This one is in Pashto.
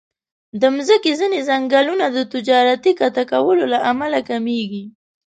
د مځکې ځینې ځنګلونه د تجارتي قطع کولو له امله کمېږي.